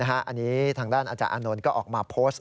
อันนี้ทางด้านอาจารย์อานนท์ก็ออกมาโพสต์